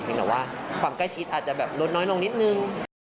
เป็นแต่ว่าความใกล้ชิดอาจจะแบบลดน้อยลงนิดนึง